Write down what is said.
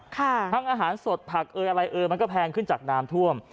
ทั้งอาหารสดผักเอยอะไรเอ่ยมันก็แพงขึ้นจากน้ำท่วม